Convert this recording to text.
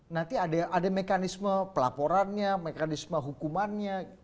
nanti ada mekanisme pelaporannya mekanisme hukumannya